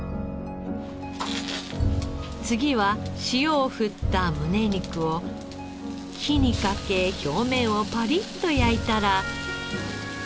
次は塩をふったむね肉を火にかけ表面をパリッと焼いたら。